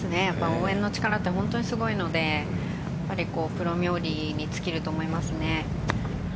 応援の力はすごいのでプロ冥利に尽きると思いますね。